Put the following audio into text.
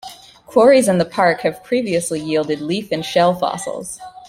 Quarries in the park have previously yielded leaf and shell fossils.